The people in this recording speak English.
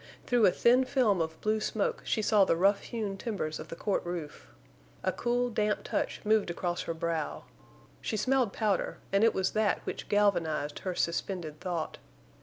Through a thin film of blue smoke she saw the rough hewn timbers of the court roof. A cool, damp touch moved across her brow. She smelled powder, and it was that which galvanized her suspended thought.